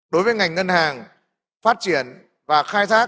đối với ngành ngân hàng phát triển và khai thác